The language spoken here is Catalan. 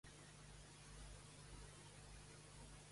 Què exposa sobre la justícia a Espanya?